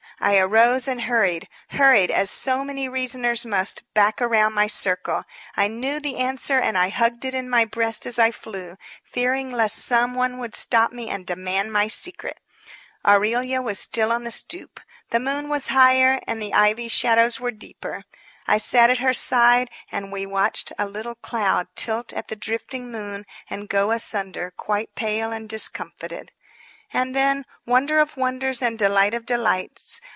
I arose and hurried hurried as so many reasoners must, back around my circle. I knew the answer and I hugged it in my breast as I flew, fearing lest some one would stop me and demand my secret. Aurelia was still on the stoop. The moon was higher and the ivy shadows were deeper. I sat at her side and we watched a little cloud tilt at the drifting moon and go asunder quite pale and discomfited. And then, wonder of wonders and delight of delights!